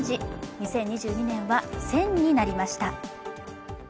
２０２２年は戦になりました。